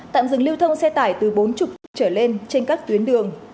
tạm dừng lưu thông xe tải từ bốn mươi trở lên trên các tuyến đường